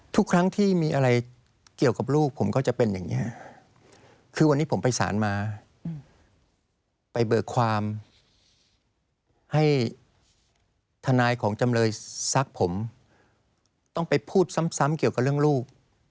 ทุกครั้งที่มีอะไรเกี่ยวกับลูกผมก็จะเป็นอย่างนี้คือวันนี้ผมไปสารมาไปเบิกความให้ทนายของจำเลยซักผมต้องไปพูดซ้ำเกี่ยวกับเรื่องลูก